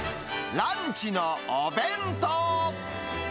ランチのお弁当。